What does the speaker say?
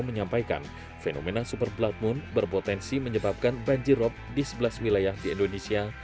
menyampaikan fenomena super blood moon berpotensi menyebabkan banjirop di sebelas wilayah di indonesia